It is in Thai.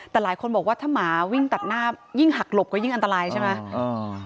แต่หลายคนบอกว่าถ้าหมาวิ่งตัดหน้ายิ่งหักหลบก็ยิ่งอันตรายใช่ไหม